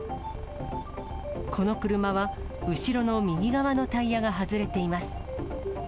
この車は後ろの右側のタイヤが外れています。